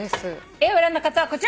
Ａを選んだ方はこちら。